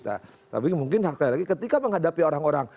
nah tapi mungkin sekali lagi ketika menghadapi orang orang